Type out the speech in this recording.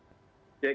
ya kita bekerja